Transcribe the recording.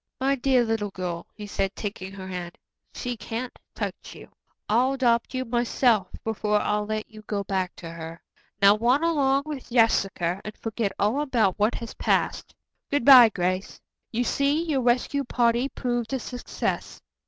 "My dear little girl," he said, taking her hand, "she can't touch you. I'll adopt you myself before I'll let you go back to her. Now run along with Jessica and forget all about what has passed. Good bye, Grace. You see, your rescue party proved a success.